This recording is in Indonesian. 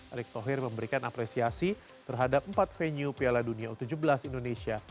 erick thohir memberikan apresiasi terhadap empat venue piala dunia u tujuh belas indonesia